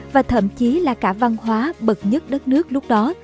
và thậm chí là cả văn hóa bậc nhất đất nước lúc đó